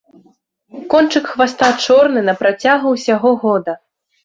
Кончык хваста чорны на працягу ўсяго года.